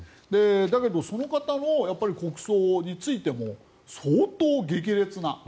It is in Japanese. だけどその方もやっぱり国葬について相当激烈な。